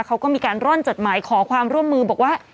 เขาก็มีการร่อนจดหมายขอความร่วมมือบอกว่า